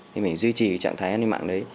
thì mình duy trì trạng thái an ninh mạng đấy